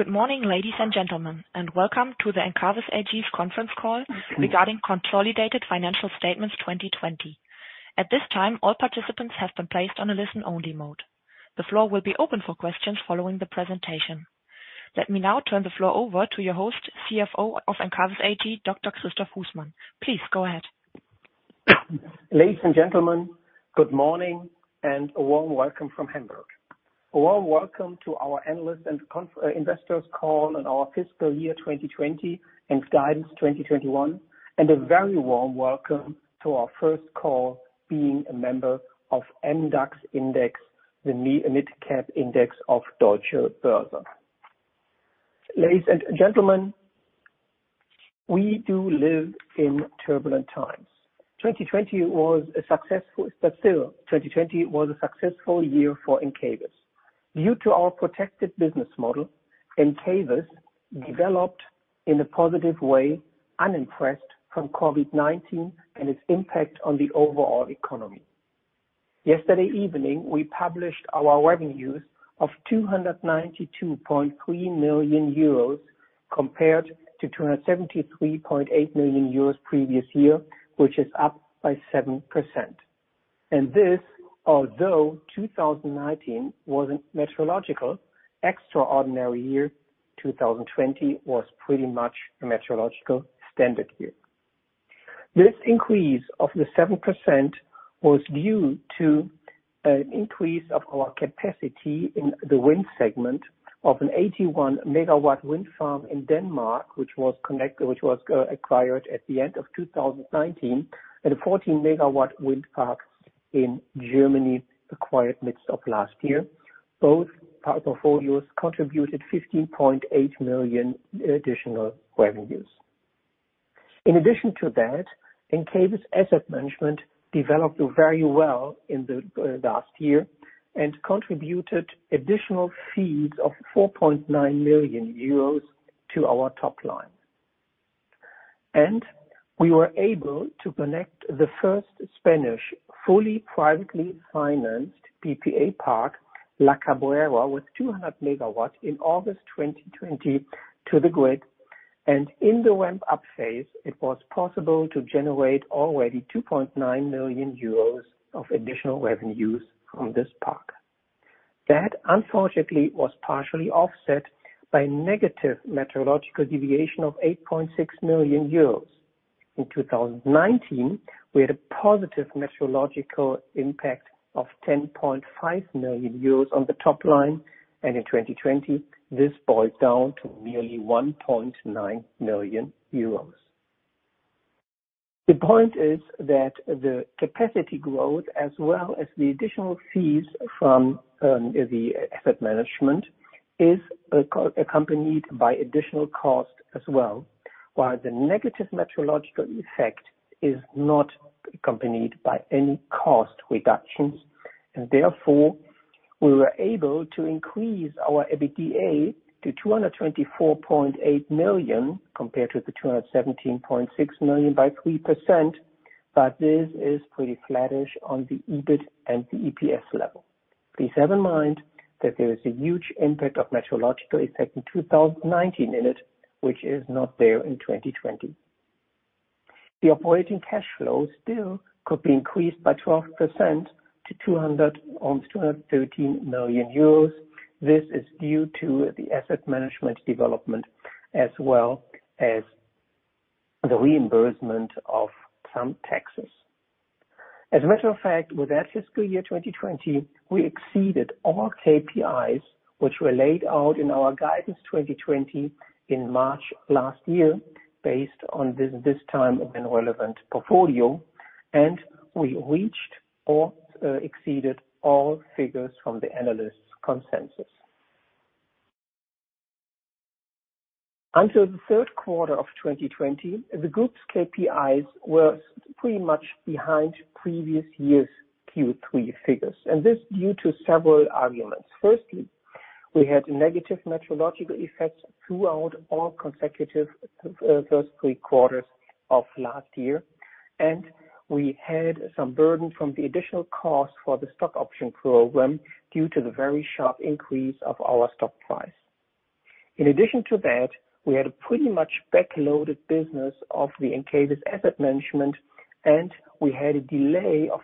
Good morning, ladies and gentlemen, and welcome to the Encavis AG's conference call regarding consolidated financial statements 2020. At this time, all participants have been placed on a listen-only mode. The floor will be open for questions following the presentation. Let me now turn the floor over to your host, CFO of Encavis AG, Dr. Christoph Husmann. Please go ahead. Ladies and gentlemen, good morning and a warm welcome from Hamburg. A warm welcome to our analyst and investors call on our fiscal year 2020 and guidance 2021, a very warm welcome to our first call being a member of MDAX Index, the mid-cap index of Deutsche Börse. Ladies and gentlemen, we do live in turbulent times. Still, 2020 was a successful year for Encavis. Due to our protected business model, Encavis developed in a positive way, unimpressed from COVID-19 and its impact on the overall economy. Yesterday evening, we published our revenues of 292.3 million euros compared to 273.8 million euros previous year, which is up by 7%. This, although 2019 was a meteorological extraordinary year, 2020 was pretty much a meteorological standard year. This increase of 7% was due to an increase of our capacity in the wind segment of an 81 MW wind farm in Denmark, which was acquired at the end of 2019, and a 14 MW wind park in Germany acquired midst of last year. Both portfolios contributed 15.8 million additional revenues. In addition to that, Encavis Asset Management developed very well in the last year and contributed additional fees of 4.9 million euros to our top line. We were able to connect the first Spanish fully privately financed PPA park, La Cabrera, with 200 MW in August 2020 to the grid, and in the ramp-up phase, it was possible to generate already 2.9 million euros of additional revenues from this park. That, unfortunately, was partially offset by negative meteorological deviation of 8.6 million euros. In 2019, we had a positive meteorological impact of 10.5 million euros on the top line. In 2020, this boiled down to merely 1.9 million euros. The point is that the capacity growth as well as the additional fees from the asset management is accompanied by additional costs as well, while the negative meteorological effect is not accompanied by any cost reductions. Therefore, we were able to increase our EBITDA to 224.8 million compared to the 217.6 million by 3%. This is pretty flattish on the EBIT and the EPS level. Please have in mind that there is a huge impact of meteorological effect in 2019 in it, which is not there in 2020. The operating cash flow still could be increased by 12% to almost 213 million euros. This is due to the asset management development, as well as the reimbursement of some taxes. As a matter of fact, with that fiscal year 2020, we exceeded all KPIs which were laid out in our guidance 2020 in March last year, based on this time and relevant portfolio, and we reached or exceeded all figures from the analyst consensus. Until the third quarter of 2020, the group's KPIs were pretty much behind previous year's Q3 figures, and this due to several arguments. Firstly, we had negative meteorological effects throughout all consecutive first three quarters of last year, and we had some burden from the additional cost for the stock option program due to the very sharp increase of our stock price. In addition to that, we had a pretty much backloaded business of the Encavis Asset Management, and we had a delay of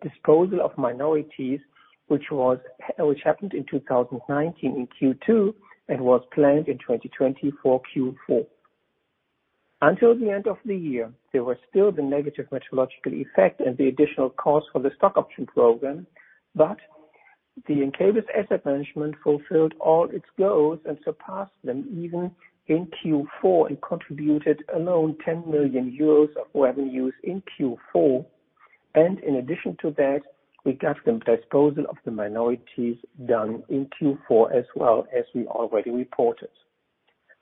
disposal of minorities, which happened in 2019 in Q2 and was planned in 2024 Q4. Until the end of the year, there were still the negative meteorological effect and the additional cost for the stock option program, Encavis Asset Management fulfilled all its goals and surpassed them even in Q4 and contributed alone 10 million euros of revenues in Q4. In addition to that, we got the disposal of the minorities done in Q4 as well as we already reported.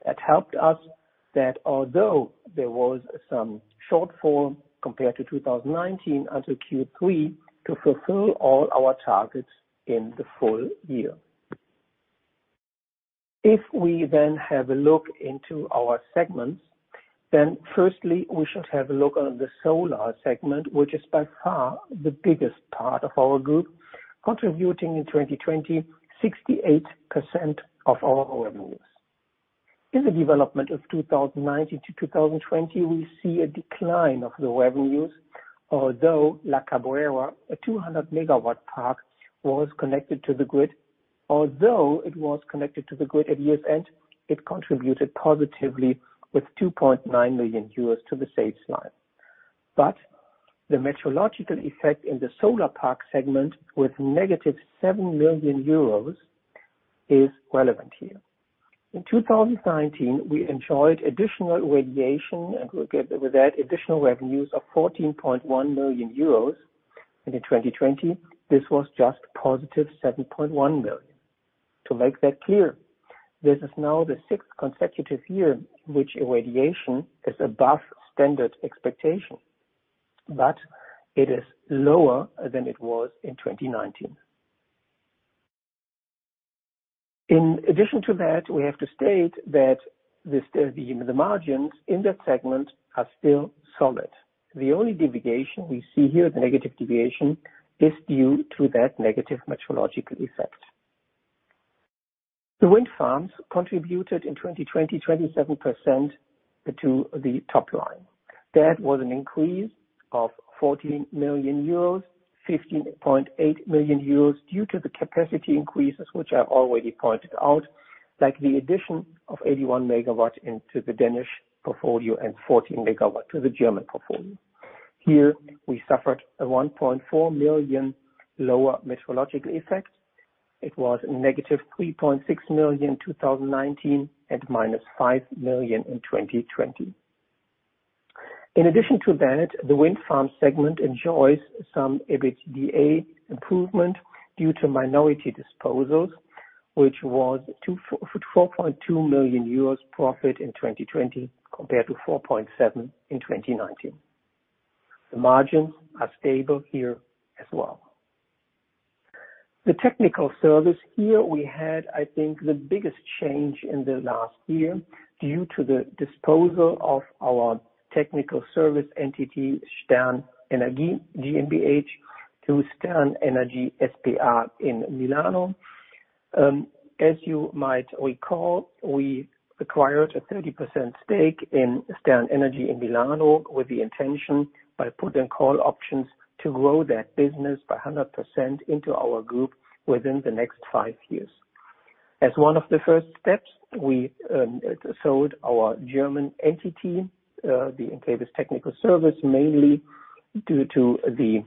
That helped us that although there was some shortfall compared to 2019 until Q3 to fulfill all our targets in the full year. If we then have a look into our segments, firstly, we should have a look on the solar segment, which is by far the biggest part of our group, contributing in 2020, 68% of our revenues. In the development of 2019 to 2020, we see a decline of the revenues. Although La Cabrera, a 200 MW park, was connected to the grid. Although it was connected to the grid at year's end, it contributed positively with 2.9 million euros to the sales line. The metrological effect in the solar park segment, with negative 7 million euros, is relevant here. In 2019, we enjoyed additional radiation, and with that, additional revenues of 14.1 million euros. In 2020, this was just positive 7.1 million. To make that clear, this is now the sixth consecutive year in which irradiation is above standard expectation, but it is lower than it was in 2019. In addition to that, we have to state that the margins in that segment are still solid. The only deviation we see here, the negative deviation, is due to that negative metrological effect. The wind farms contributed in 2020, 27% to the top line. That was an increase of 14 million euros, 15.8 million euros due to the capacity increases, which I've already pointed out, like the addition of 81 MW into the Danish portfolio and 14 MW to the German portfolio. Here, we suffered a 1.4 million lower meteorological effect. It was negative 3.6 million in 2019 and minus 5 million in 2020. In addition to that, the wind farm segment enjoys some EBITDA improvement due to minority disposals, which was 4.2 million euros profit in 2020 compared to 4.7 million in 2019. The margins are stable here as well. The technical service here we had the biggest change in the last year due to the disposal of our technical service entity, Stern Energy GmbH, to Stern Energy SpA in Milano. As you might recall, we acquired a 30% stake in Stern Energy in Milano with the intention, by put and call options, to grow that business by 100% into our group within the next five years. As one of the first steps, we sold our German entity, the Encavis Technical Service, mainly due to the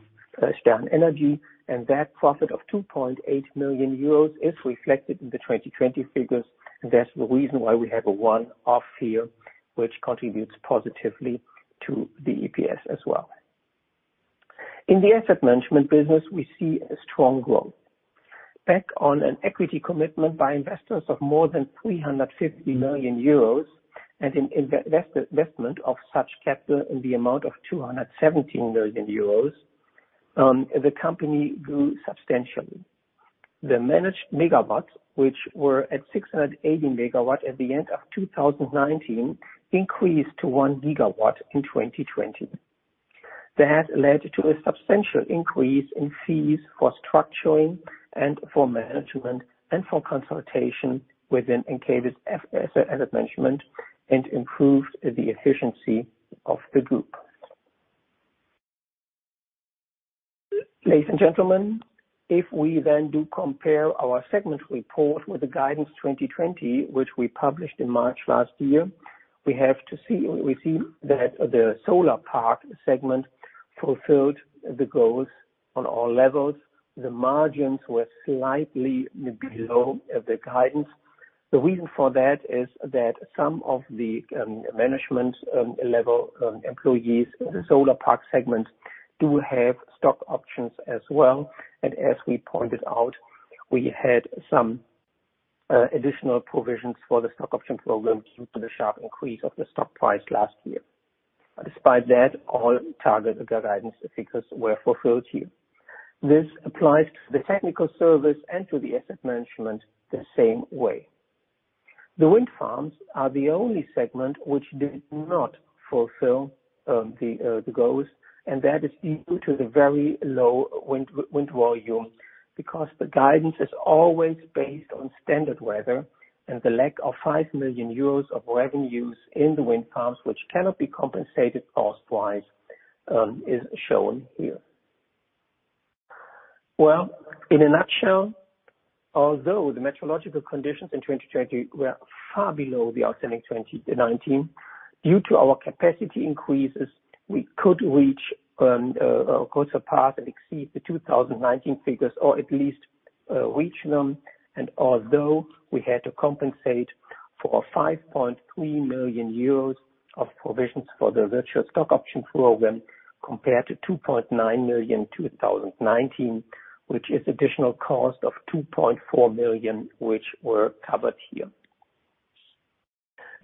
Stern Energy. That profit of 2.8 million euros is reflected in the 2020 figures. That's the reason why we have a one-off here, which contributes positively to the EPS as well. In the asset management business, we see a strong growth. Back on an equity commitment by investors of more than 350 million euros and investment of such capital in the amount of 217 million euros, the company grew substantially. The managed megawatt, which were at 680 MW at the end of 2019, increased to 1 GW in 2020. That led to a substantial increase in fees for structuring and for management and for consultation within Encavis Asset Management and improved the efficiency of the group. Ladies and gentlemen, if we then do compare our segment report with the guidance 2020, which we published in March last year, we see that the solar park segment fulfilled the goals on all levels. The margins were slightly below the guidance. The reason for that is that some of the management level employees in the solar park segment do have stock options as well. As we pointed out, we had some additional provisions for the stock option program due to the sharp increase of the stock price last year. Despite that, all target guidance figures were fulfilled here. This applies to the Technical Service and to the Asset Management the same way. The wind farms are the only segment which did not fulfill the goals, that is due to the very low wind volume. The guidance is always based on standard weather and the lack of 5 million euros of revenues in the wind farms, which cannot be compensated cost-wise, is shown here. Well, in a nutshell, although the meteorological conditions in 2020 were far below the outstanding 2019, due to our capacity increases, we could reach and go so far as to exceed the 2019 figures or at least reach them. Although we had to compensate for 5.3 million euros of provisions for the virtual stock option program, compared to 2.9 million in 2019, which is additional cost of 2.4 million, which were covered here.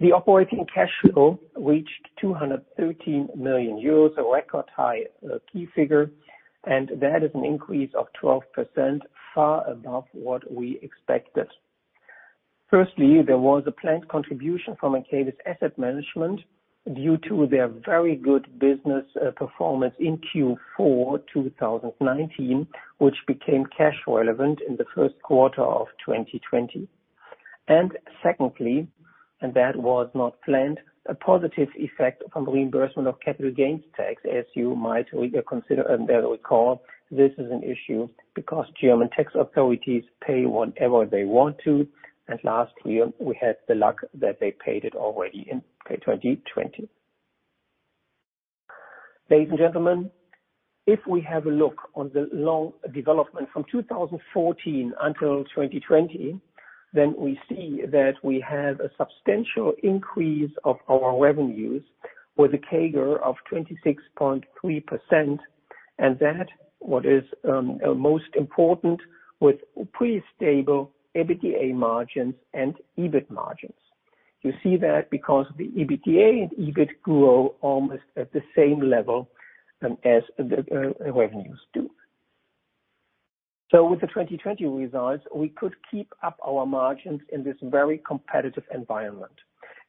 The operating cash flow reached 213 million euros, a record-high key figure. That is an increase of 12%, far above what we expected. Firstly, there was a planned contribution from Encavis Asset Management due to their very good business performance in Q4 2019, which became cash relevant in the first quarter of 2020. Secondly, and that was not planned, a positive effect from reimbursement of capital gains tax. As you might recall, this is an issue because German tax authorities pay whenever they want to. Last year we had the luck that they paid it already in 2020. Ladies and gentlemen, if we have a look on the long development from 2014 until 2020, then we see that we have a substantial increase of our revenues with a CAGR of 26.3%. That, what is most important, with pretty stable EBITDA margins and EBIT margins. You see that because the EBITDA and EBIT grow almost at the same level as the revenues do. With the 2020 results, we could keep up our margins in this very competitive environment.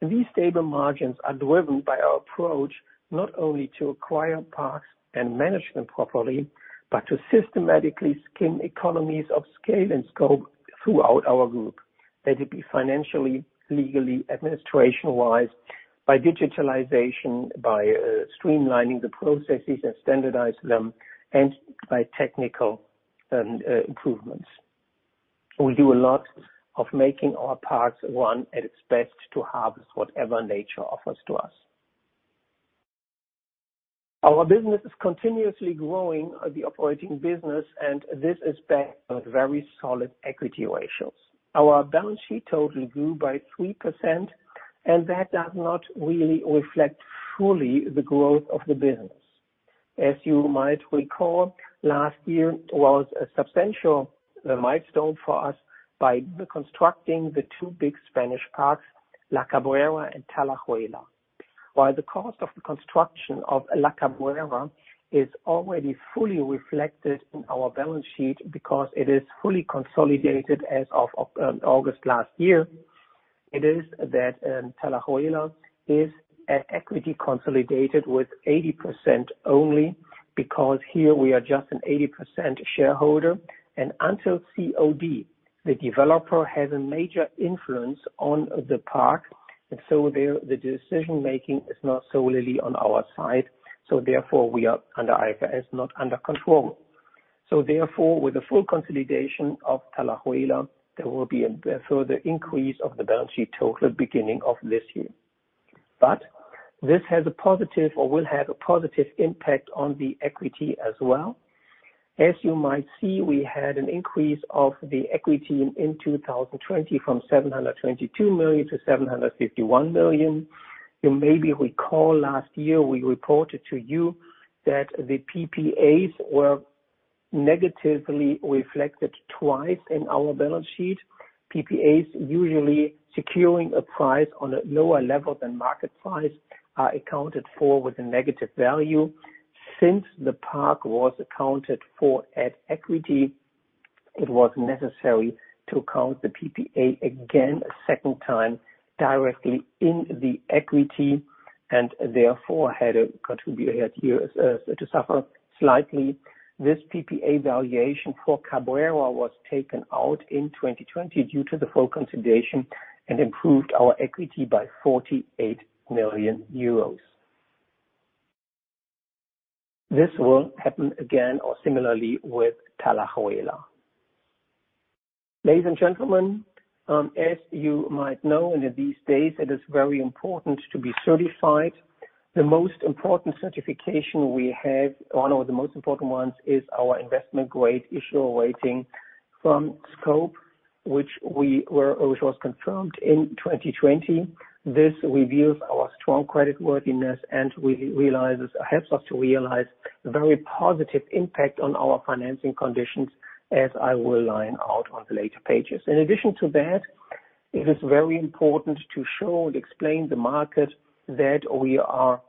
These stable margins are driven by our approach, not only to acquire parks and manage them properly, but to systematically skin economies of scale and scope throughout our group. That it be financially, legally, administration-wise, by digitalization, by streamlining the processes and standardize them, and by technical improvements. We do a lot of making our parks run at its best to harvest whatever nature offers to us. Our business is continuously growing the operating business, and this is backed by very solid equity ratios. Our balance sheet total grew by 3%, and that does not really reflect fully the growth of the business. As you might recall, last year was a substantial milestone for us by constructing the two big Spanish parks, La Cabrera and Talayuela. While the cost of the construction of La Cabrera is already fully reflected in our balance sheet because it is fully consolidated as of August last year. It is that Talayuela is at equity consolidated with 80% only because here we are just an 80% shareholder. Until COD, the developer has a major influence on the park, and so the decision-making is not solely on our side. Therefore, we are under IFRS, not under control. Therefore, with the full consolidation of Talayuela, there will be a further increase of the balance sheet total beginning of this year. This has a positive or will have a positive impact on the equity as well. As you might see, we had an increase of the equity in 2020 from 722 million to 751 million. You maybe recall last year we reported to you that the PPAs were negatively reflected twice in our balance sheet. PPAs usually securing a price on a lower level than market price are accounted for with a negative value. Since the park was accounted for at equity, it was necessary to count the PPA again a second time directly in the equity, and therefore had to suffer slightly. This PPA valuation for Cabrera was taken out in 2020 due to the full consolidation and improved our equity by 48 million euros. This will happen again or similarly with Talayuela. Ladies and gentlemen, as you might know, in these days it is very important to be certified. The most important certification we have, one of the most important ones, is our investment grade issuer rating from Scope, which was confirmed in 2020. This reviews our strong creditworthiness and helps us to realize the very positive impact on our financing conditions as I will line out on the later pages. In addition to that, it is very important to show and explain the market that we are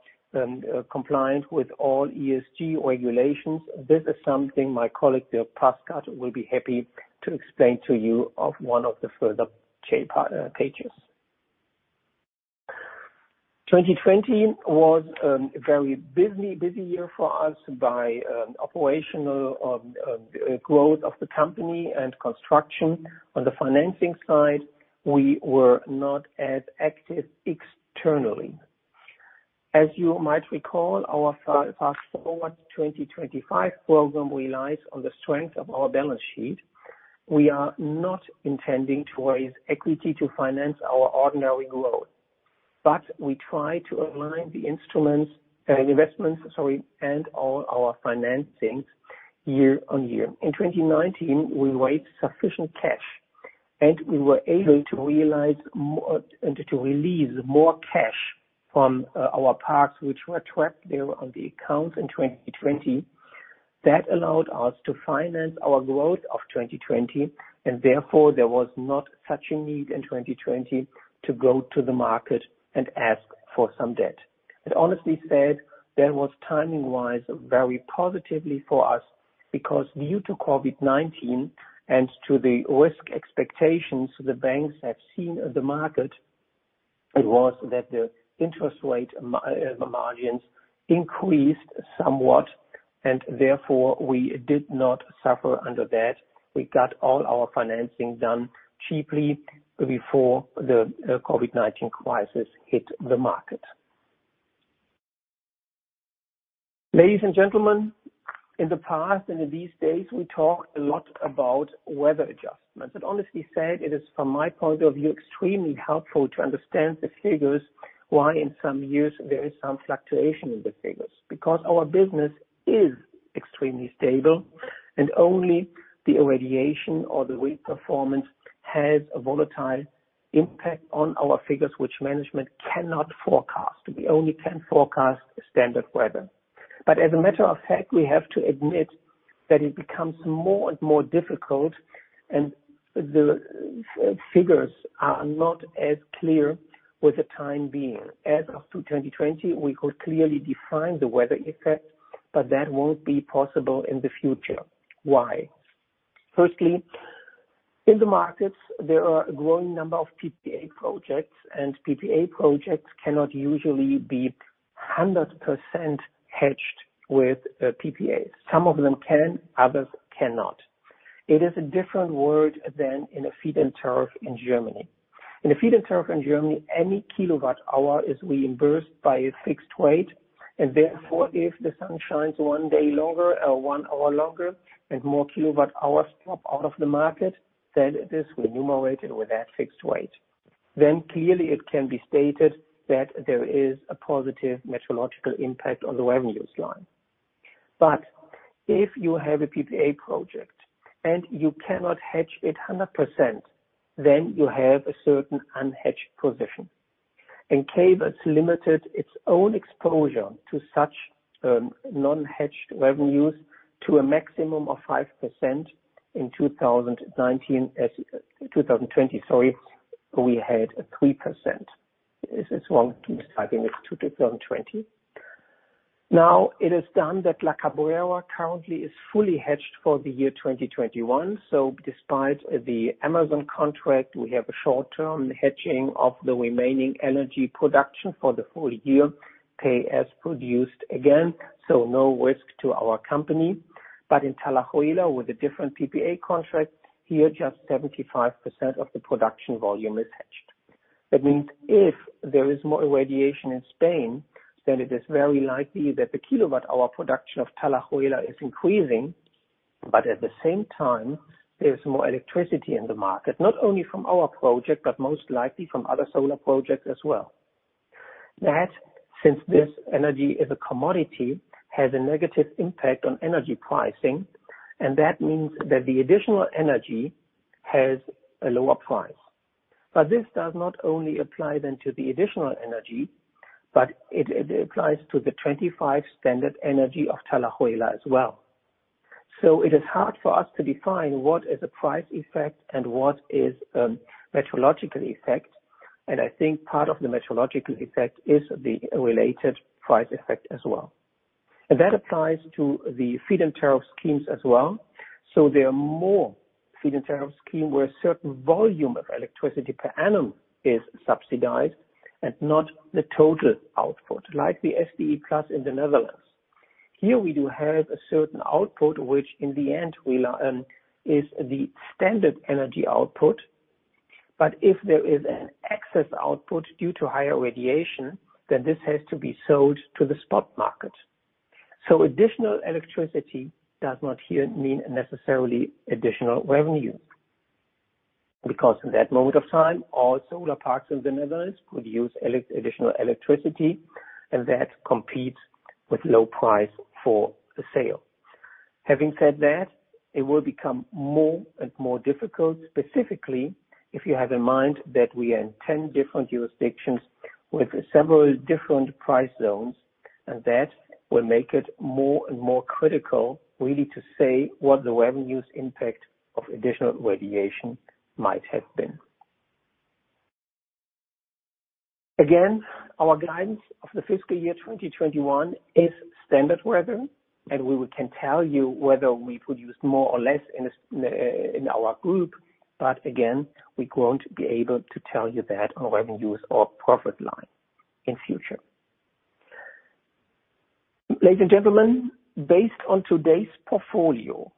compliant with all ESG regulations. This is something my colleague, Dierk Paskert, will be happy to explain to you of one of the further pages. 2020 was a very busy year for us by operational growth of the company and construction. On the financing side, we were not as active externally. As you might recall, our Fast Forward 2025 program relies on the strength of our balance sheet. We are not intending to raise equity to finance our ordinary growth. We try to align the investments, sorry, and all our financings year on year. In 2019, we raised sufficient cash, and we were able to release more cash from our parks, which were trapped there on the accounts in 2020. That allowed us to finance our growth of 2020, and therefore there was not such a need in 2020 to go to the market and ask for some debt. Honestly said, that was timing-wise very positively for us. Because due to COVID-19 and to the risk expectations the banks have seen in the market, it was that the interest rate margins increased somewhat, and therefore, we did not suffer under that. We got all our financing done cheaply before the COVID-19 crisis hit the market. Ladies and gentlemen, in the past and in these days, we talked a lot about weather adjustments. Honestly said, it is, from my point of view, extremely helpful to understand the figures, why in some years there is some fluctuation in the figures. Our business is extremely stable and only the irradiation or the weak performance has a volatile impact on our figures, which management cannot forecast. We only can forecast standard weather. As a matter of fact, we have to admit that it becomes more and more difficult, and the figures are not as clear with the time being. As of 2020, we could clearly define the weather effect, but that won't be possible in the future. Why? Firstly, in the markets, there are a growing number of PPA projects, and PPA projects cannot usually be 100% hedged with PPAs. Some of them can, others cannot. It is a different world than in a feed-in tariff in Germany. In a feed-in tariff in Germany, any kilowatt hour is reimbursed by a fixed rate, and therefore, if the sun shines one day longer or one hour longer and more kilowatt hours drop out of the market, it is remunerated with that fixed rate. Clearly it can be stated that there is a positive metrological impact on the revenues line. If you have a PPA project and you cannot hedge it 100%, you have a certain unhedged position. Encavis limited its own exposure to such non-hedged revenues to a maximum of 5% in 2020, sorry, we had 3%. It's wrong. I think it's 2020. La Cabrera currently is fully hedged for the year 2021. Despite the Amazon contract, we have a short-term hedging of the remaining energy production for the full year pay as produced again. No risk to our company. In Talayuela, with a different PPA contract, here, just 75% of the production volume is hedged. If there is more irradiation in Spain, it is very likely that the kilowatt hour production of Talayuela is increasing. At the same time, there's more electricity in the market, not only from our project, but most likely from other solar projects as well. Since this energy is a commodity, has a negative impact on energy pricing. The additional energy has a lower price. This does not only apply then to the additional energy, but it applies to the 25 standard energy of Talayuela as well. It is hard for us to define what is a price effect and what is a metrological effect, and I think part of the metrological effect is the related price effect as well. That applies to the feed-in tariff schemes as well. There are more feed-in tariff scheme where a certain volume of electricity per annum is subsidized and not the total output, like the SDE++ in the Netherlands. Here we do have a certain output, which in the end is the standard energy output. If there is an excess output due to higher radiation, then this has to be sold to the spot market. Additional electricity does not here mean necessarily additional revenue. In that moment of time, all solar parks in the Netherlands produce additional electricity, and that competes with low price for the sale. Having said that, it will become more and more difficult, specifically, if you have in mind that we are in 10 different jurisdictions with several different price zones, and that will make it more and more critical, really, to say what the revenues impact of additional irradiation might have been. Our guidance of the fiscal year 2021 is standard weather, and we can tell you whether we produce more or less in our group. We won't be able to tell you that on revenues or profit line in future. Ladies and gentlemen, based on today's portfolio,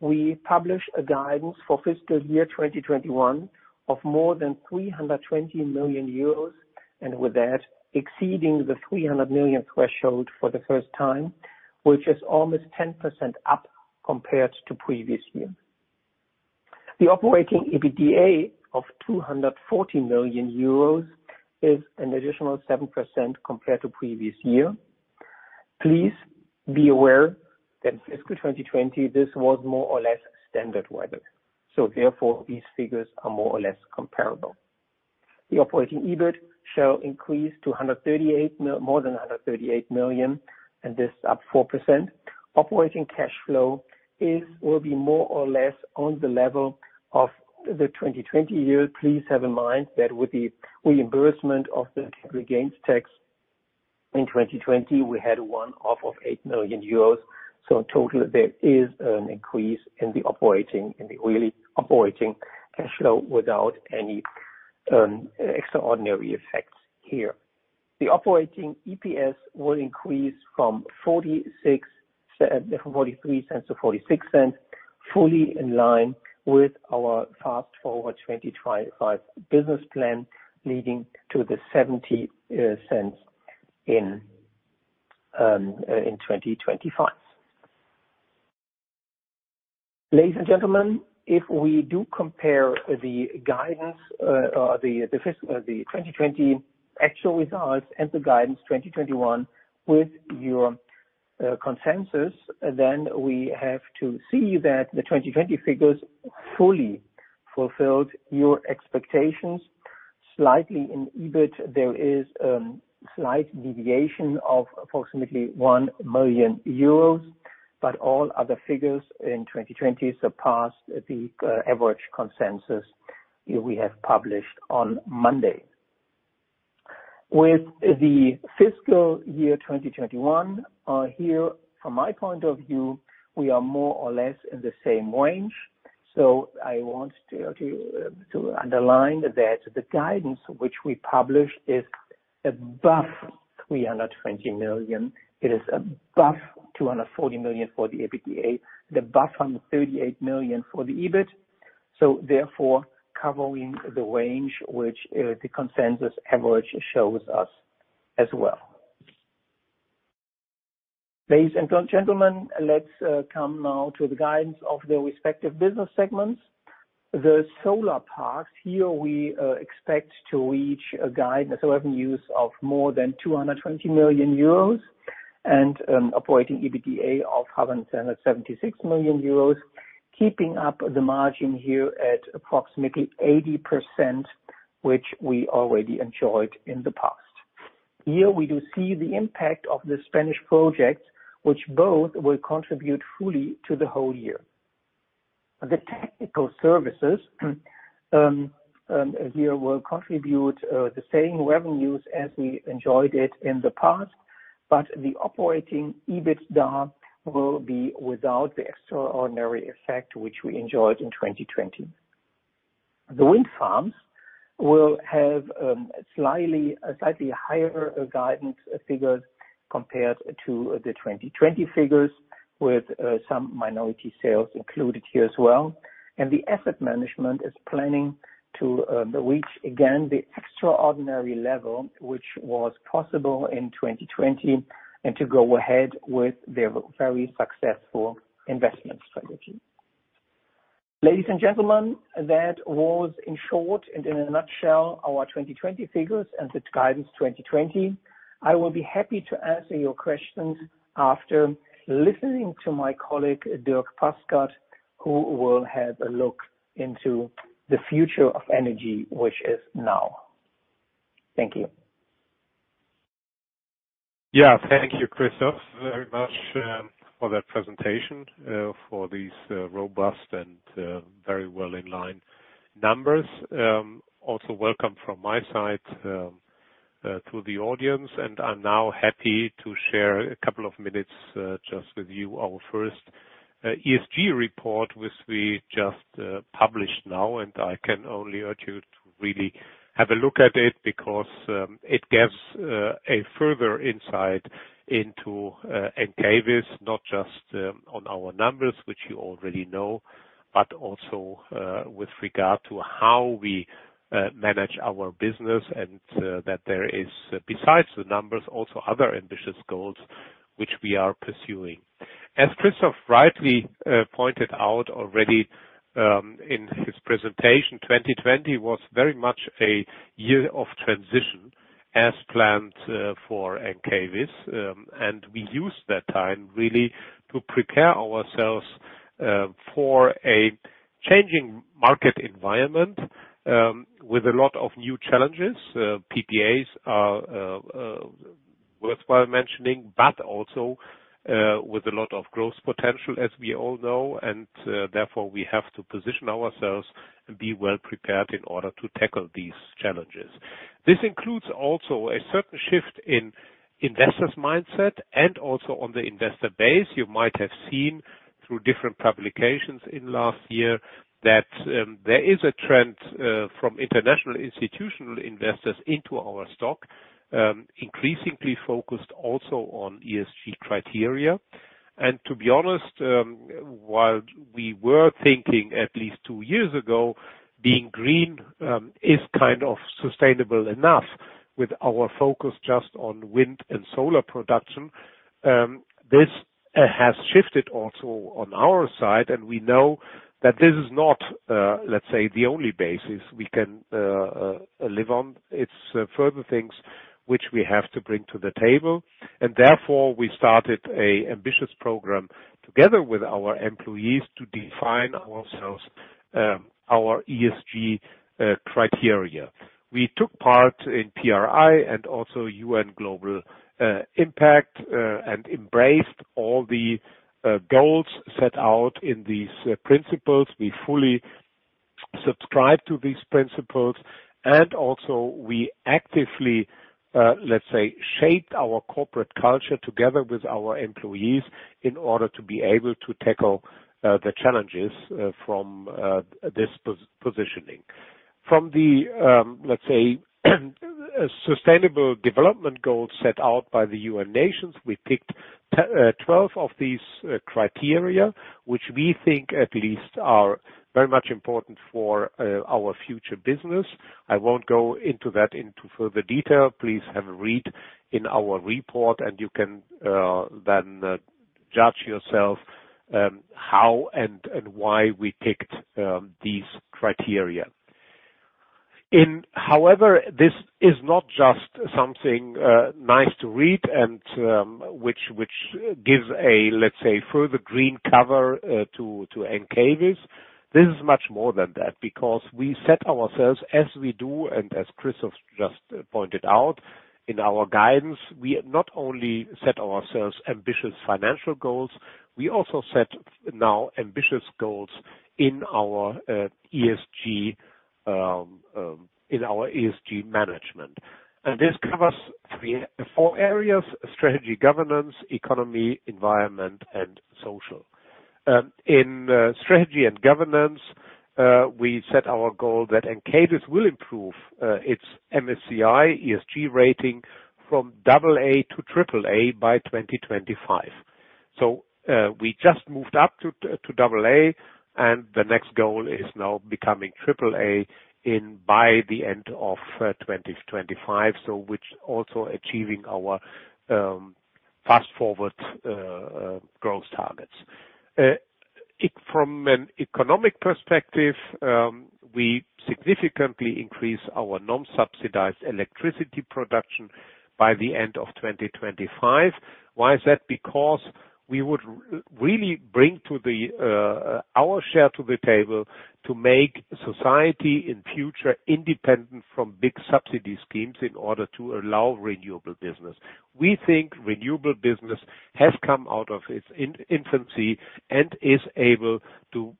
we publish a guidance for fiscal year 2021 of more than 320 million euros, and with that, exceeding the 300 million threshold for the first time, which is almost 10% up compared to previous year. The operating EBITDA of 240 million euros is an additional 7% compared to previous year. Please be aware that fiscal 2020, this was more or less standard weather. Therefore, these figures are more or less comparable. The operating EBIT shall increase to more than 138 million, and this up 4%. Operating cash flow will be more or less on the level of the 2020 year. Please have in mind that with the reimbursement of the gains tax in 2020, we had one off of 8 million euros. In total, there is an increase in the operating, in the really operating cash flow without any extraordinary effects here. The operating EPS will increase from 0.43-0.46, fully in line with our Fast Forward 2025 business plan, leading to the 0.70 in 2025. Ladies and gentlemen, if we do compare the 2020 actual results and the guidance 2021 with your consensus, then we have to see that the 2020 figures fully fulfilled your expectations. Slightly in EBIT, there is a slight deviation of approximately 1 million euros, but all other figures in 2020 surpassed the average consensus we have published on Monday. With the fiscal year 2021, here from my point of view, we are more or less in the same range. I want to underline that the guidance which we published is above 320 million. It is above 240 million for the EBITDA, above 138 million for the EBIT, therefore covering the range which the consensus average shows us as well. Ladies and gentlemen, let's come now to the guidance of the respective business segments. The solar part, here we expect to reach a guidance revenues of more than 220 million euros and an operating EBITDA of 176 million euros, keeping up the margin here at approximately 80%, which we already enjoyed in the past. Here we do see the impact of the Spanish projects, which both will contribute fully to the whole year. The technical services here will contribute the same revenues as we enjoyed it in the past, but the operating EBITDA will be without the extraordinary effect, which we enjoyed in 2020. The wind farms will have slightly higher guidance figures compared to the 2020 figures, with some minority sales included here as well. The asset management is planning to reach, again, the extraordinary level, which was possible in 2020, and to go ahead with their very successful investment strategy. Ladies and gentlemen, that was in short and in a nutshell, our 2020 figures and the guidance 2020. I will be happy to answer your questions after listening to my colleague, Dierk Paskert, who will have a look into the future of energy, which is now. Thank you. Yeah. Thank you, Christoph, very much for that presentation, for these robust and very well in line numbers. Also welcome from my side to the audience, and I'm now happy to share a couple of minutes just with you, our first ESG report, which we just published now, and I can only urge you to really have a look at it because it gives a further insight into Encavis, not just on our numbers, which you already know, but also with regard to how we manage our business and that there is, besides the numbers, also other ambitious goals which we are pursuing. As Christoph rightly pointed out already in his presentation, 2020 was very much a year of transition as planned for Encavis, and we used that time really to prepare ourselves for a changing market environment with a lot of new challenges. PPAs are worthwhile mentioning, but also with a lot of growth potential, as we all know, and therefore we have to position ourselves and be well prepared in order to tackle these challenges. This includes also a certain shift in investors' mindset and also on the investor base. You might have seen through different publications in last year that there is a trend from international institutional investors into our stock, increasingly focused also on ESG criteria. To be honest, while we were thinking at least two years ago, being green is kind of sustainable enough with our focus just on wind and solar production. This has shifted also on our side, and we know that this is not, let's say, the only basis we can live on. It's further things which we have to bring to the table. Therefore, we started an ambitious program together with our employees to define ourselves, our ESG criteria. We took part in PRI and also UN Global Compact. We embraced all the goals set out in these principles. We fully subscribe to these principles. We also actively shape our corporate culture together with our employees in order to be able to tackle the challenges from this positioning. From the sustainable development goals set out by the United Nations, we picked 12 of these criteria, which we think at least are very much important for our future business. I won't go into that into further detail. Please have a read in our report. You can then judge yourself how and why we picked these criteria. This is not just something nice to read and which gives a further green cover to Encavis. This is much more than that because we set ourselves as we do and as Christoph just pointed out in our guidance, we not only set ourselves ambitious financial goals, we also set now ambitious goals in our ESG management. This covers four areas. Strategy, governance, economy, environment and social. In strategy and governance, we set our goal that Encavis will improve its MSCI ESG rating from double A to triple A by 2025. We just moved up to double A and the next goal is now becoming triple A by the end of 2025, so which also achieving our fast-forward growth targets. From an economic perspective, we significantly increase our non-subsidized electricity production by the end of 2025. Why is that? Because we would really bring our share to the table to make society in future independent from big subsidy schemes in order to allow renewable business. We think renewable business has come out of its infancy and is able to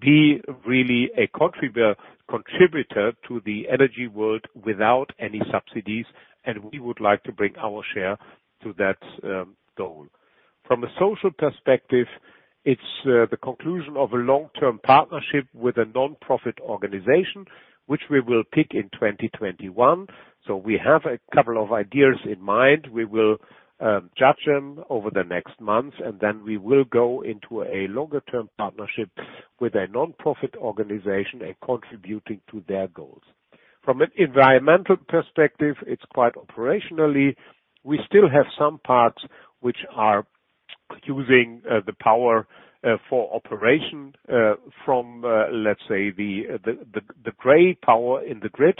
be really a contributor to the energy world without any subsidies, and we would like to bring our share to that goal. From a social perspective, it's the conclusion of a long-term partnership with a non-profit organization, which we will pick in 2021. We have a couple of ideas in mind. We will judge them over the next months and then we will go into a longer-term partnership with a non-profit organization and contributing to their goals. From an environmental perspective, it's quite operationally. We still have some parts which are using the power for operation from, let's say, the gray power in the grid,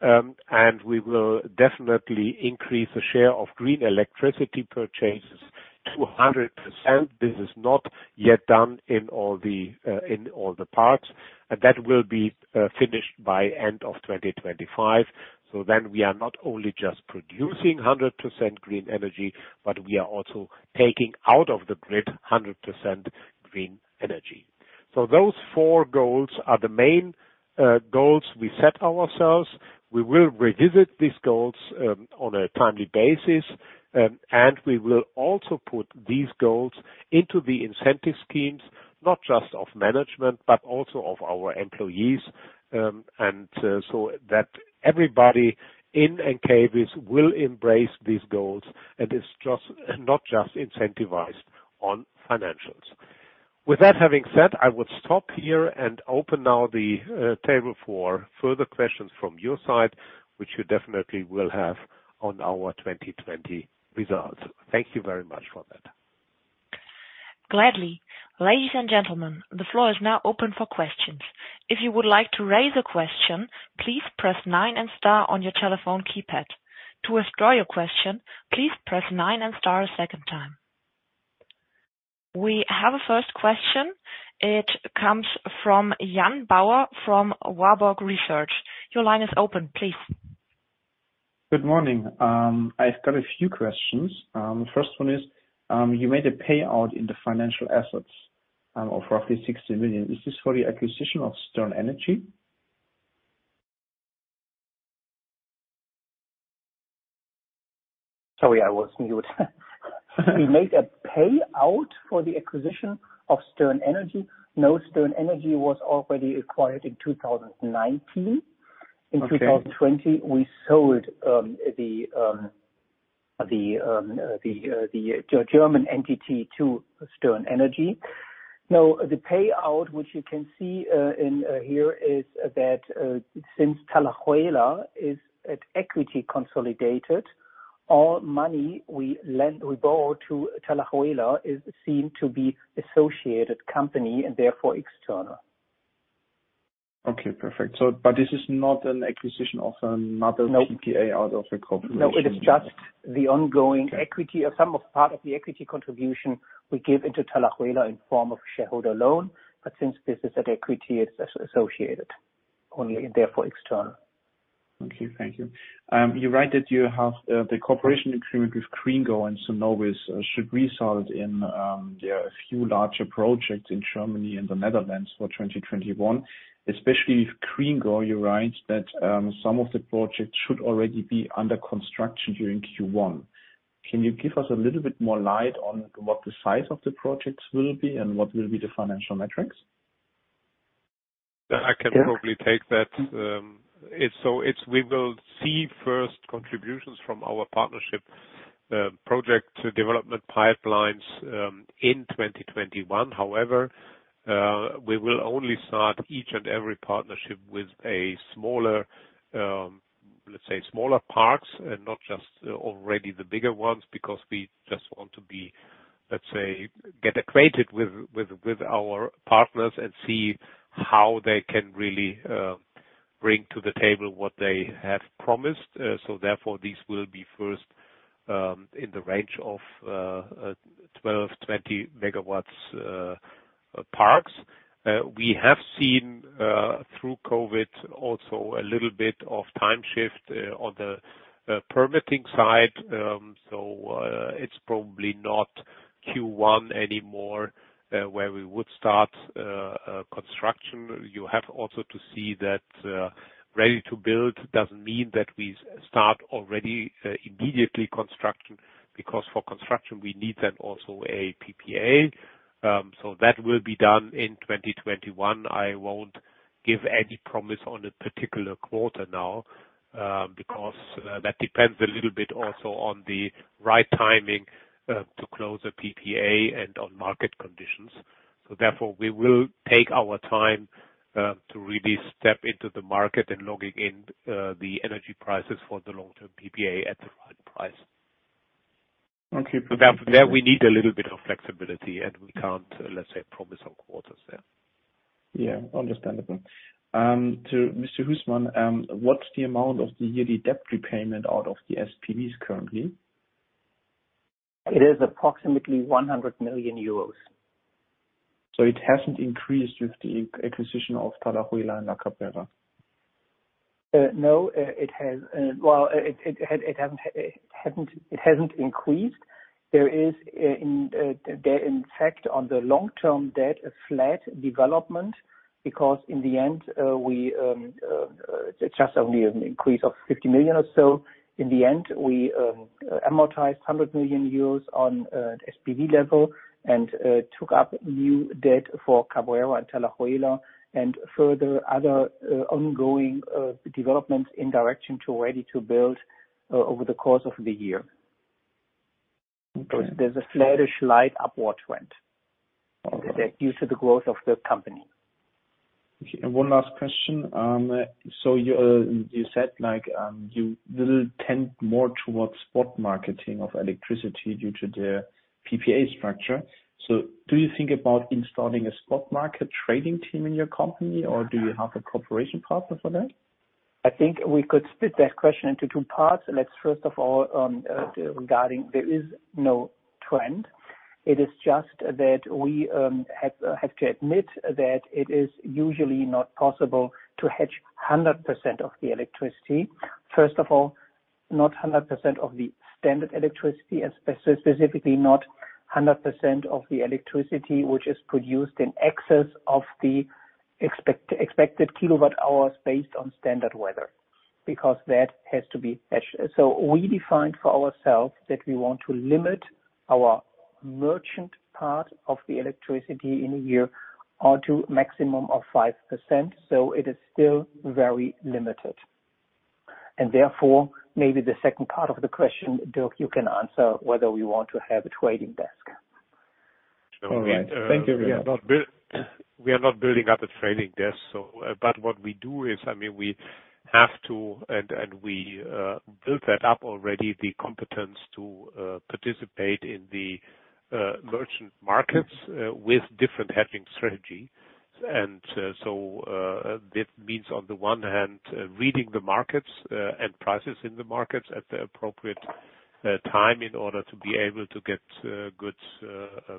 and we will definitely increase the share of green electricity purchases to 100%. This is not yet done in all the parts. That will be finished by end of 2025. We are not only just producing 100% green energy, but we are also taking out of the grid 100% green energy. Those four goals are the main goals we set ourselves. We will revisit these goals on a timely basis, and we will also put these goals into the incentive schemes, not just of management, but also of our employees. Everybody in Encavis will embrace these goals and is not just incentivized on financials. With that having said, I would stop here and open now the table for further questions from your side, which you definitely will have on our 2020 results. Thank you very much for that. Gladly. Ladies and gentlemen, the floor is now open for questions. If you would like to raise a question, please press nine and star on your telephone keypad. To withdraw your question, please press nine and star a second time. We have a first question. It comes from Jan Bauer from Warburg Research. Your line is open, please. Good morning. I've got a few questions. First one is, you made a payout in the financial assets of roughly 60 million. Is this for the acquisition of Stern Energy? Sorry, I was muted. We made a payout for the acquisition of Stern Energy. Stern Energy was already acquired in 2019. Okay. In 2020, we sold the German entity to Stern Energy. Now, the payout, which you can see in here, is that since Talayuela is at equity consolidated, all money we borrow to Talayuela is seen to be associated company and therefore external. Okay, perfect. This is not an acquisition of another. No PPA out of a corporation? It is just the ongoing equity or some of part of the equity contribution we give into Talayuela in form of shareholder loan. Since this is at equity, it's associated only and therefore external. Okay, thank you. You write that you have the cooperation agreement with GreenGo and Sunovis should result in a few larger projects in Germany and the Netherlands for 2021, especially with GreenGo, you write that some of the projects should already be under construction during Q1. Can you give us a little bit more light on what the size of the projects will be and what will be the financial metrics? I can probably take that. We will see first contributions from our partnership project development pipelines in 2021. We will only start each and every partnership with, let's say, smaller parks and not just already the bigger ones, because we just want to, let's say, get acquainted with our partners and see how they can really bring to the table what they have promised. Therefore, these will be first in the range of 12, 20 MW parks. We have seen through COVID-19 also a little bit of time shift on the permitting side. It's probably not Q1 anymore, where we would start construction. You have also to see that ready to build doesn't mean that we start already immediately construction, because for construction, we need then also a PPA. That will be done in 2021. I won't give any promise on a particular quarter now, because that depends a little bit also on the right timing, to close a PPA and on market conditions. Therefore, we will take our time to really step into the market and locking in the energy prices for the long-term PPA at the right price. Okay. There we need a little bit of flexibility and we can't, let's say, promise on quarters there. Yeah. Understandable. To Mr. Husmann, what's the amount of the yearly debt repayment out of the SPVs currently? It is approximately 100 million euros. It hasn't increased with the acquisition of Talayuela and La Cabrera? No. Well, it hasn't increased. There is, in fact, on the long-term debt, a flat development, because in the end, it's just only an increase of 50 million or so. In the end, we amortized 100 million euros on SPV level and took up new debt for Cabrera and Talayuela and further other ongoing developments in direction to ready to build over the course of the year. Okay. There's a flattish light upward trend. Okay. Due to the growth of the company. Okay, one last question. You said you will tend more towards spot marketing of electricity due to the PPA structure. Do you think about installing a spot market trading team in your company, or do you have a cooperation partner for that? I think we could split that question into two parts. Let's first of all, regarding there is no trend. It is just that we have to admit that it is usually not possible to hedge 100% of the electricity. First of all, not 100% of the standard electricity, and specifically not 100% of the electricity, which is produced in excess of the expected kilowatt hours based on standard weather, because that has to be hedged. We defined for ourselves that we want to limit our merchant part of the electricity in a year to maximum of 5%. It is still very limited. Therefore, maybe the second part of the question, Dierk, you can answer whether we want to have a trading desk. All right. Thank you very much. We are not building up a trading desk. What we do is, we have to, and we built that up already, the competence to participate in the merchant markets with different hedging strategy. That means on the one hand, reading the markets, and prices in the markets at the appropriate time in order to be able to get good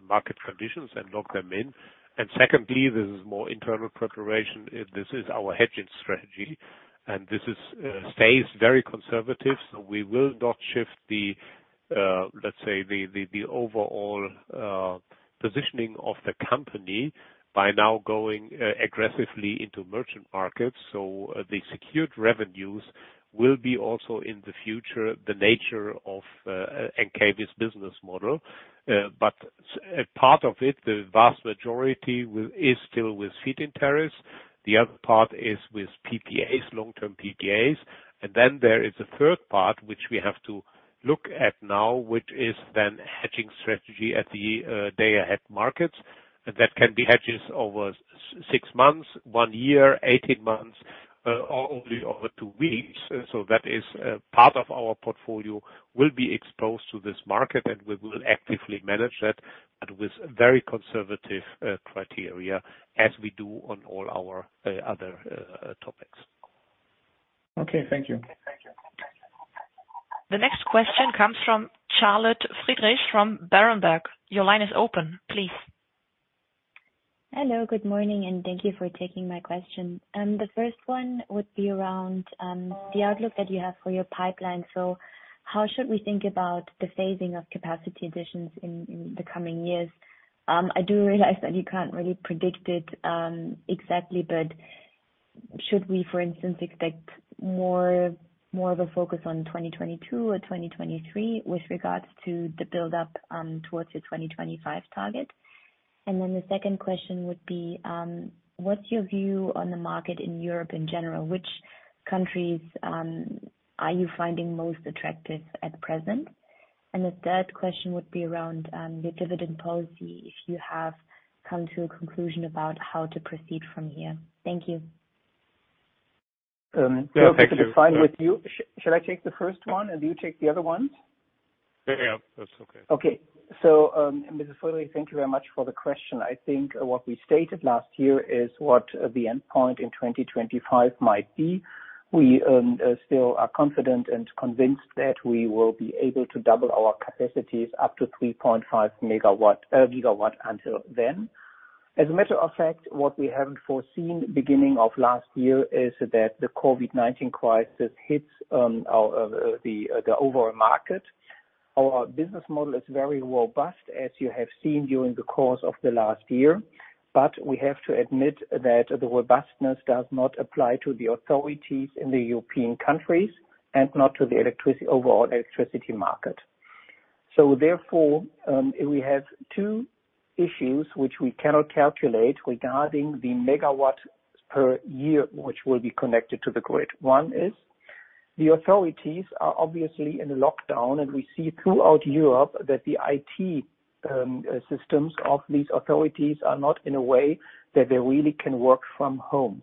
market conditions and lock them in. Secondly, this is more internal preparation. This is our hedging strategy, and this stays very conservative, so we will not shift, let's say, the overall positioning of the company by now going aggressively into merchant markets. The secured revenues will be also in the future, the nature of Encavis' business model. Part of it, the vast majority is still with feed-in tariffs. The other part is with PPAs, long-term PPAs. There is a third part, which we have to look at now, which is hedging strategy at the day-ahead markets. That can be hedges over six months, one year, 18 months, or only over two weeks. That is part of our portfolio will be exposed to this market, and we will actively manage that, but with very conservative criteria as we do on all our other topics. Okay. Thank you. The next question comes from Charlotte Friedrichs from Berenberg. Your line is open, please. Hello. Good morning, and thank you for taking my question. The first one would be around the outlook that you have for your pipeline. How should we think about the phasing of capacity additions in the coming years? I do realize that you can't really predict it exactly, but should we, for instance, expect more of a focus on 2022 or 2023 with regards to the buildup towards your 2025 target? The second question would be, what's your view on the market in Europe in general? Which countries are you finding most attractive at present? The third question would be around the dividend policy, if you have come to a conclusion about how to proceed from here. Thank you. Yeah. Thank you. Should I take the first one and do you take the other ones? Yeah. That's okay. Mrs. Foley, thank you very much for the question. I think what we stated last year is what the endpoint in 2025 might be. We still are confident and convinced that we will be able to double our capacities up to 3.5 GW until then. As a matter of fact, what we haven't foreseen beginning of last year is that the COVID-19 crisis hits the overall market. Our business model is very robust, as you have seen during the course of the last year. We have to admit that the robustness does not apply to the authorities in the European countries and not to the overall electricity market. Therefore, we have two issues which we cannot calculate regarding the megawatts per year, which will be connected to the grid. One is, the authorities are obviously in a lockdown. We see throughout Europe that the IT systems of these authorities are not in a way that they really can work from home.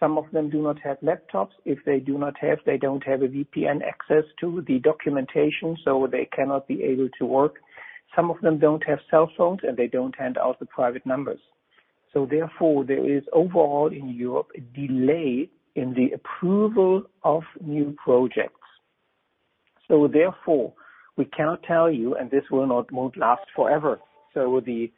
Some of them do not have laptops. If they do not have, they don't have a VPN access to the documentation, so they cannot be able to work. Some of them don't have cell phones, and they don't hand out the private numbers. Therefore, there is overall in Europe, a delay in the approval of new projects. Therefore, we cannot tell you. This won't last forever. The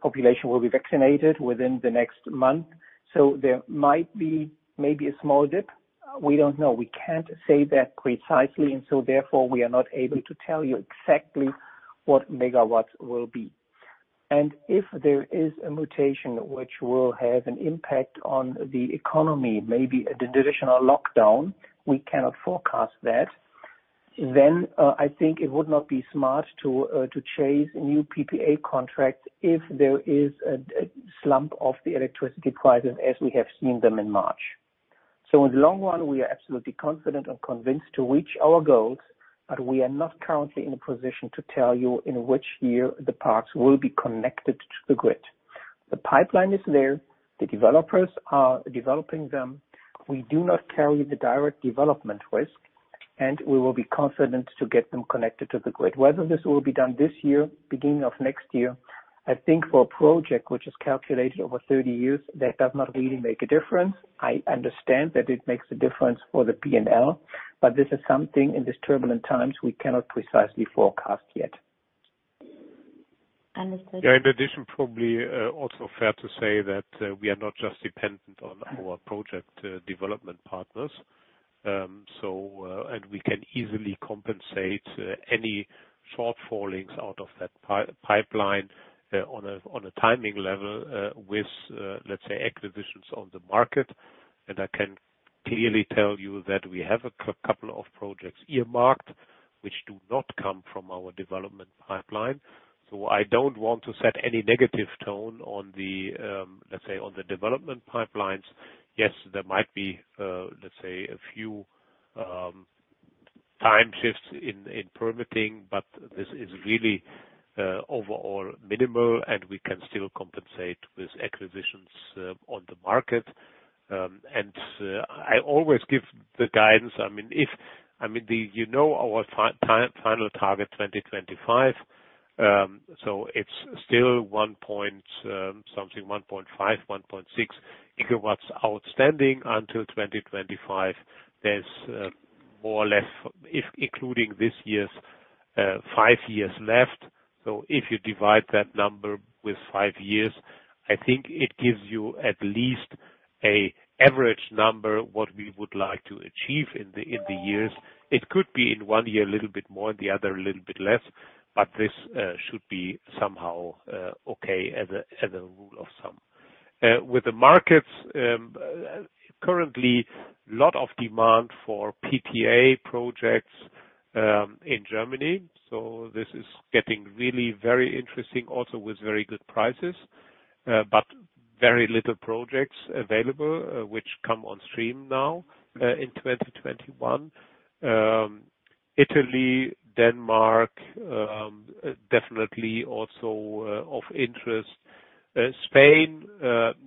population will be vaccinated within the next month. There might be maybe a small dip. We don't know. We can't say that precisely. Therefore, we are not able to tell you exactly what megawatts will be. If there is a mutation which will have an impact on the economy, maybe the additional lockdown, we cannot forecast that. I think it would not be smart to chase new PPA contracts if there is a slump of the electricity prices as we have seen them in March. In the long run, we are absolutely confident and convinced to reach our goals, but we are not currently in a position to tell you in which year the parks will be connected to the grid. The pipeline is there. The developers are developing them. We do not carry the direct development risk, and we will be confident to get them connected to the grid. Whether this will be done this year, beginning of next year, I think for a project which is calculated over 30 years, that does not really make a difference. I understand that it makes a difference for the P&L, but this is something in these turbulent times we cannot precisely forecast yet. Understood. Yeah. In addition, probably also fair to say that we are not just dependent on our project development partners. We can easily compensate any shortfallings out of that pipeline on a timing level with, let's say, acquisitions on the market. I can clearly tell you that we have a couple of projects earmarked, which do not come from our development pipeline. I don't want to set any negative tone on the, let's say, on the development pipelines. Yes, there might be, let's say, a few time shifts in permitting, but this is really overall minimal, and we can still compensate with acquisitions on the market. I always give the guidance. You know our final target 2025, so it's still one point something, 1.5, 1.6 GW outstanding until 2025. There's more or less, including this year's, five years left. If you divide that number with five years, I think it gives you at least an average number, what we would like to achieve in the years. It could be in one year a little bit more and the other a little bit less, but this should be somehow okay as a rule of thumb. With the markets, currently, lot of demand for PPA projects in Germany. This is getting really very interesting, also with very good prices. Very little projects available which come on stream now in 2021. Italy, Denmark, definitely also of interest. Spain,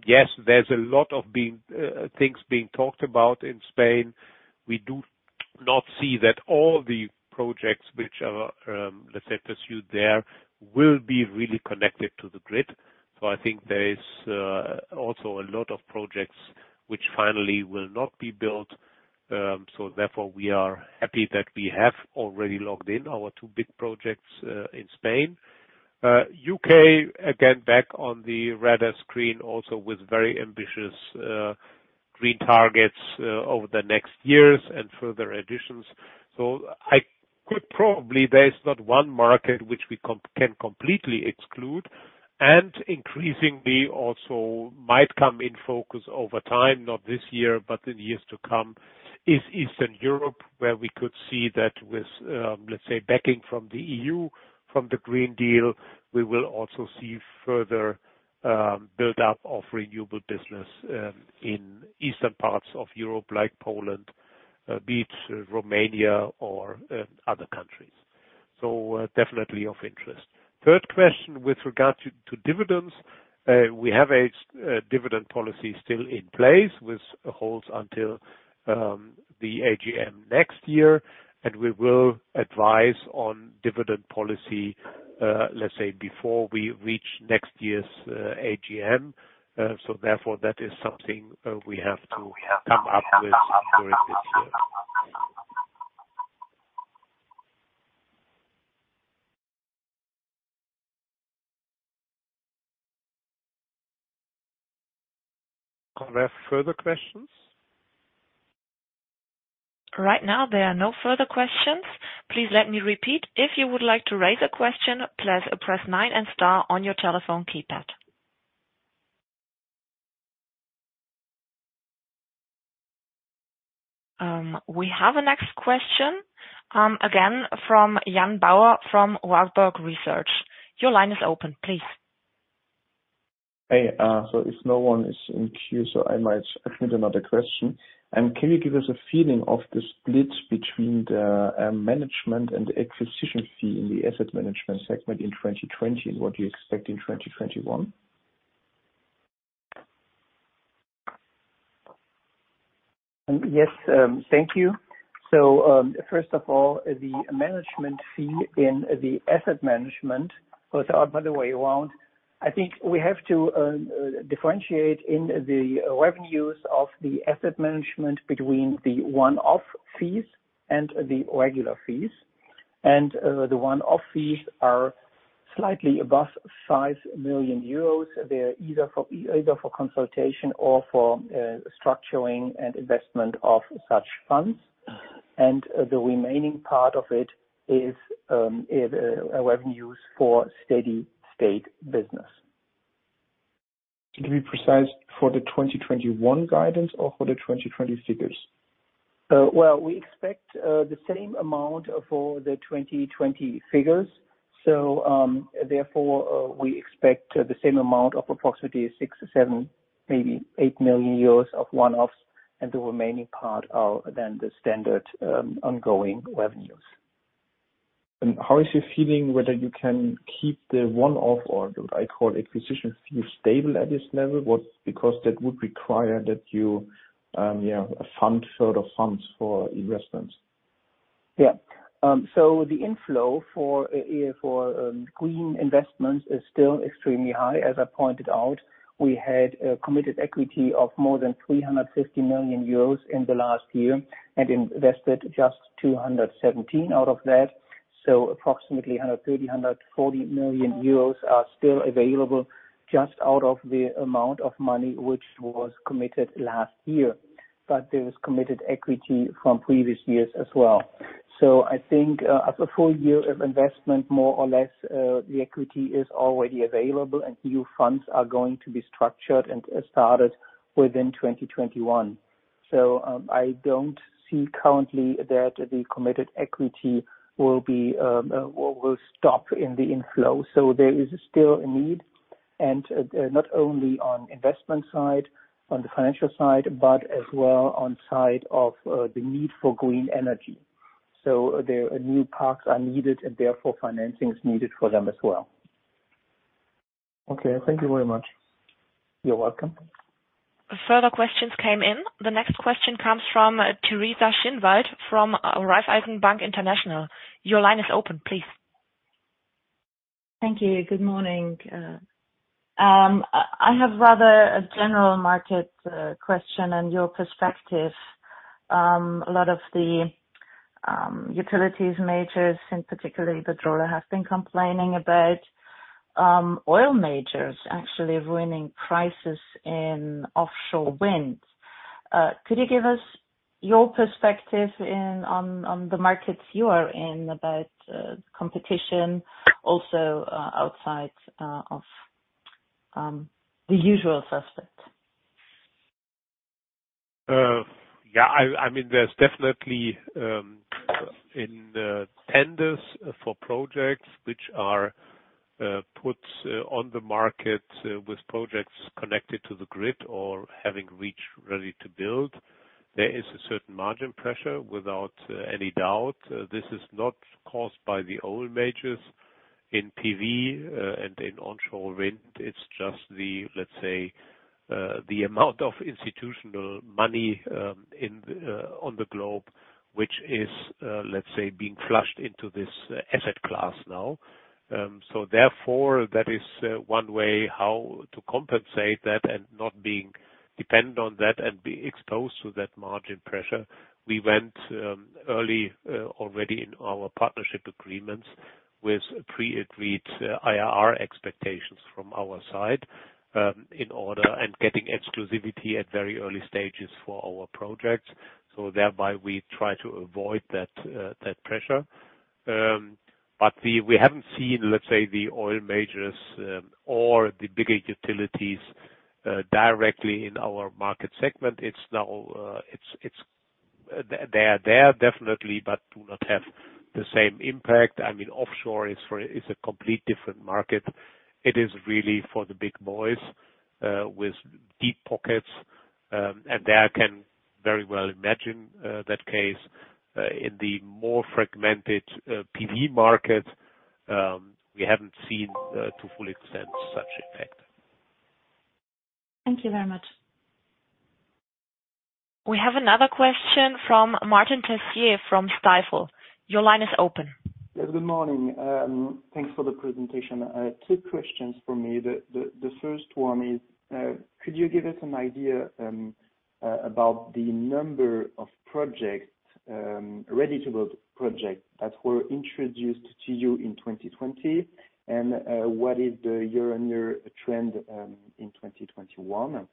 yes, there's a lot of things being talked about in Spain. We do not see that all the projects which are, let's say, pursued there will be really connected to the grid. I think there is also a lot of projects which finally will not be built. Therefore, we are happy that we have already logged in our two big projects in Spain. U.K., again, back on the radar screen also with very ambitious green targets over the next years and further additions. I could probably, there is not one market which we can completely exclude, and increasingly also might come in focus over time, not this year, but in years to come, is Eastern Europe, where we could see that with, let's say, backing from the EU, from the Green Deal, we will also see further build-up of renewable business in eastern parts of Europe, like Poland, be it Romania or other countries. Definitely of interest. Third question, with regard to dividends, we have a dividend policy still in place, which holds until the AGM next year, and we will advise on dividend policy, let's say, before we reach next year's AGM. Therefore, that is something we have to come up with during this year. Are there further questions? Right now, there are no further questions. Please let me repeat. If you would like to raise a question, please press nine and star on your telephone keypad. We have a next question, again from Jan Bauer from Warburg Research. Your line is open, please. Hey. If no one is in queue, I might ask you another question. Can you give us a feeling of the split between the management and the acquisition fee in the asset management segment in 2020 and what do you expect in 2021? Yes. Thank you. First of all, the management fee in the asset management goes up, by the way, I think we have to differentiate in the revenues of the asset management between the one-off fees and the regular fees. The one-off fees are slightly above 5 million euros. They're either for consultation or for structuring and investment of such funds, and the remaining part of it is revenues for steady state business. To be precise, for the 2021 guidance or for the 2020 figures? Well, we expect the same amount for the 2020 figures. Therefore, we expect the same amount of approximately six or seven, maybe 8 million euros of one-offs, and the remaining part are then the standard ongoing revenues. How is your feeling whether you can keep the one-off, or what I call acquisition fee, stable at this level? That would require that you fund further funds for investments. Yeah. The inflow for green investments is still extremely high. As I pointed out, we had a committed equity of more than 350 million euros in the last year and invested just 217 out of that. Approximately 130 million euros, 140 million euros are still available just out of the amount of money which was committed last year. There is committed equity from previous years as well. I think as a full year of investment, more or less, the equity is already available and new funds are going to be structured and started within 2021. I don't see currently that the committed equity will stop in the inflow. There is still a need, and not only on investment side, on the financial side, but as well on side of the need for green energy. The new parks are needed and therefore financing is needed for them as well. Okay. Thank you very much. You're welcome. Further questions came in. The next question comes from Teresa Schinwald from Raiffeisen Bank International. Your line is open, please. Thank you. Good morning. I have rather a general market question and your perspective. A lot of the utilities majors, and particularly the Ørsted, have been complaining about oil majors actually ruining prices in offshore wind. Could you give us your perspective on the markets you are in about competition also outside of the usual suspects? Yeah. There's definitely in the tenders for projects which are put on the market with projects connected to the grid or having reached ready to build, there is a certain margin pressure, without any doubt. This is not caused by the oil majors in PV and in onshore wind. It's just the, let's say, the amount of institutional money on the globe, which is, let's say, being flushed into this asset class now. Therefore, that is one way how to compensate that and not being dependent on that and be exposed to that margin pressure. We went early already in our partnership agreements with pre-agreed IRR expectations from our side, and getting exclusivity at very early stages for our projects. Thereby, we try to avoid that pressure. We haven't seen, let's say, the oil majors or the bigger utilities directly in our market segment. They are there definitely, but do not have the same impact. Offshore is a complete different market. It is really for the big boys with deep pockets. There I can very well imagine that case. In the more fragmented PV market, we haven't seen to full extent such effect. Thank you very much. We have another question from Martin Tessier from Stifel. Your line is open. Yes, good morning. Thanks for the presentation. Two questions from me. The first one is, could you give us an idea about the number of ready-to-build projects that were introduced to you in 2020, and what is the year-on-year trend in 2021?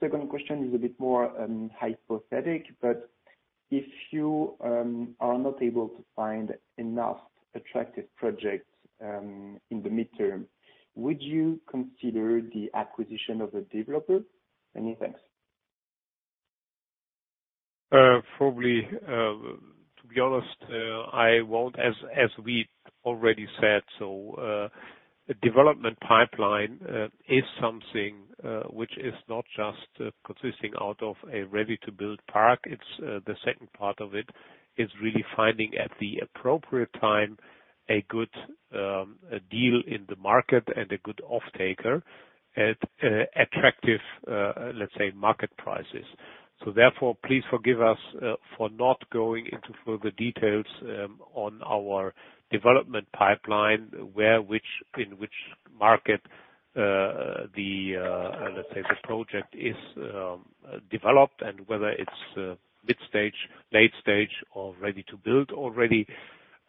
Second question is a bit more hypothetic, but if you are not able to find enough attractive projects in the midterm, would you consider the acquisition of a developer? Many thanks. Probably, to be honest, I won't, as we already said. Development pipeline is something which is not just consisting out of a ready-to-build park. The second part of it is really finding, at the appropriate time, a good deal in the market and a good offtaker at attractive, let's say, market prices. Therefore, please forgive us for not going into further details on our development pipeline, in which market the project is developed, and whether it's mid-stage, late stage, or ready-to-build already.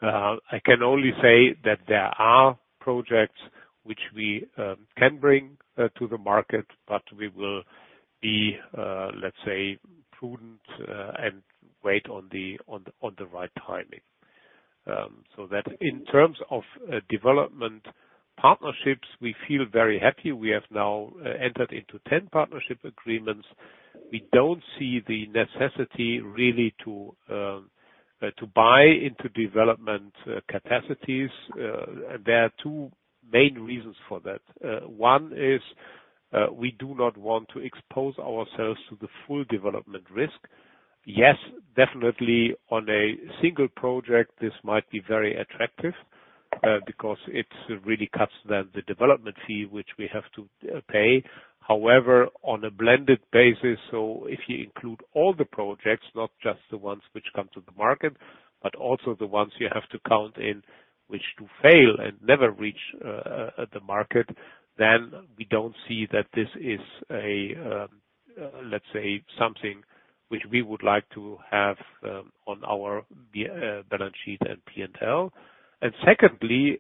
I can only say that there are projects which we can bring to the market, but we will be prudent and wait on the right timing. That in terms of development partnerships, we feel very happy. We have now entered into 10 partnership agreements. We don't see the necessity, really, to buy into development capacities. There are two main reasons for that. One is, we do not want to expose ourselves to the full development risk. Yes, definitely on a single project, this might be very attractive, because it really cuts the development fee, which we have to pay. However, on a blended basis, so if you include all the projects, not just the ones which come to the market, but also the ones you have to count in which do fail and never reach the market, then we don't see that this is something which we would like to have on our balance sheet and P&L. Secondly,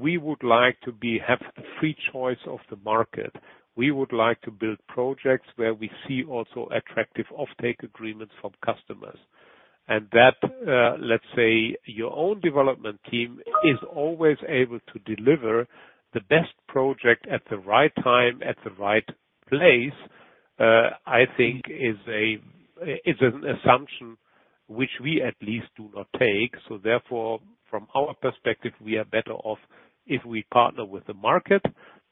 we would like to have the free choice of the market. We would like to build projects where we see also attractive offtake agreements from customers. That, let's say, your own development team is always able to deliver the best project at the right time, at the right place, I think is an assumption which we at least do not take. Therefore, from our perspective, we are better off if we partner with the market,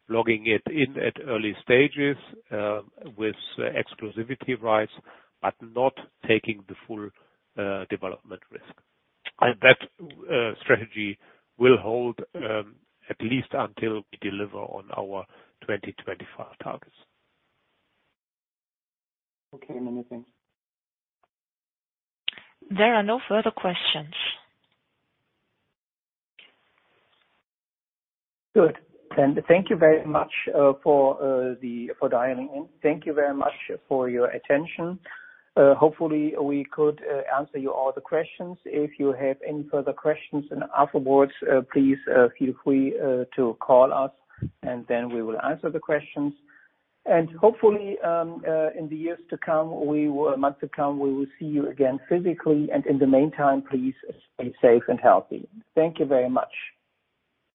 logging it in at early stages with exclusivity rights, but not taking the full development risk. That strategy will hold at least until we deliver on our 2025 targets. Okay, many thanks. There are no further questions. Good. Thank you very much for dialing in. Thank you very much for your attention. Hopefully, we could answer all your questions. If you have any further questions afterwards, please feel free to call us, we will answer the questions. Hopefully, in the months to come, we will see you again physically. In the meantime, please stay safe and healthy. Thank you very much.